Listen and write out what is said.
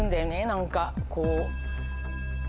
何かこう。